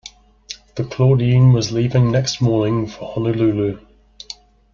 The Claudine was leaving next morning for Honolulu.